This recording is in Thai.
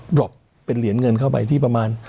ดรอปเป็นเหรียญเงินเข้าไปที่ประมาณ